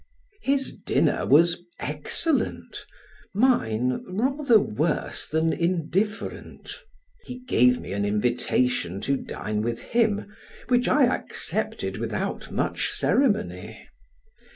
His dinner was excellent, mine rather worse than indifferent, he gave me an invitation to dine with him, which I accepted without much ceremony.